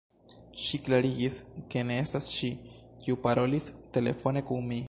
Ŝi klarigis, ke ne estas ŝi, kiu parolis telefone kun mi.